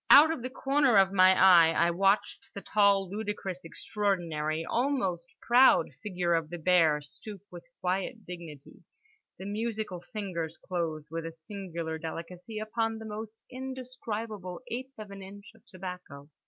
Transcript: Out of the corner of my eye I watched the tall, ludicrous, extraordinary, almost proud figure of the bear stoop with quiet dignity, the musical fingers close with a singular delicacy upon the moist indescribable eighth of an inch of tobacco.